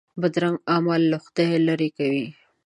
بدرنګه اعمال له خدایه لیرې کوي